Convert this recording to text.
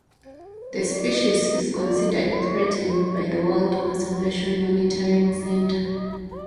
The species is considered threatened by the World Conservation Monitoring Centre.